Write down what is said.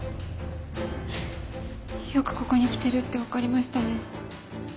よくここに来てるって分かりましたね。